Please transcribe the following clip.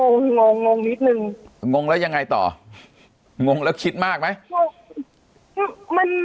งงงงงนิดนึงงงแล้วยังไงต่องงแล้วคิดมากไหมงง